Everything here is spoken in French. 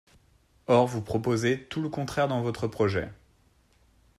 Or vous proposez tout le contraire dans votre projet.